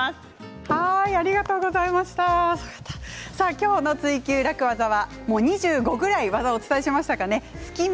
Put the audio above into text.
今日の「ツイＱ楽ワザ」は２５ぐらい技をお伝えしましたかね隙間